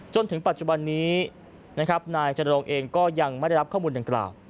จนถึงปัจจุบันนี้นะครับนายจรรงเองก็ยังไม่ได้รับข้อมูลดังกล่าว